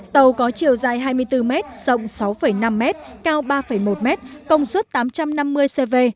tàu có chiều dài hai mươi bốn mét rộng sáu năm mét cao ba một mét công suất tám trăm năm mươi cv